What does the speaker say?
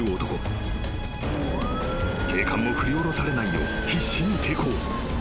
［警官も振り下ろされないよう必死に抵抗］